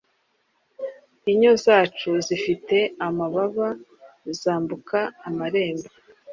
inyo zacu zifite amababa, zambuka amarembo